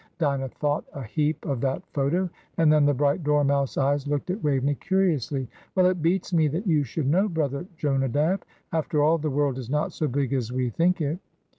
Dinah thought a heap of that photo;" and then the bright dormouse eyes looked at Waveney, curiously. "Well, it beats me that you should know brother Jonadab. After all, the world is not so big as we think it."